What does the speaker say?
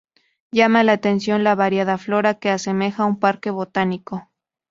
Llama la atención la variada flora que asemeja un parque botánico.